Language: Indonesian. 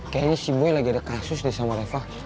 kayanya si boy lagi ada kasus deh sama reva